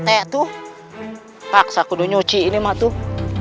taksa aku udah nyuci ini mak tuh